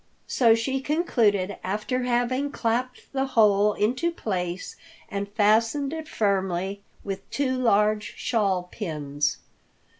So she concluded after having clapped the whole into place and fastened it firmly with two large shawl pins.